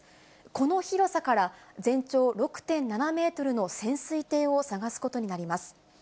この広さから、全長６．７メートルの潜水艇を捜すことになります。